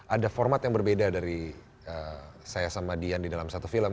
ada format yang berbeda dari saya sama dian di dalam satu film